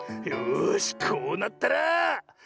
よしこうなったら。